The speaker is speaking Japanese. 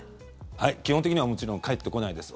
はい、基本的にはもちろん返ってこないです。